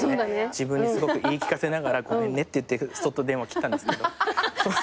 自分にすごく言い聞かせながらごめんねって言ってそっと電話を切ったんですけど。